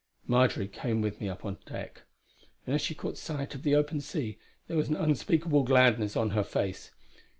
Marjory came with me up on deck; and as she caught sight of the open sea there was an unspeakable gladness on her face.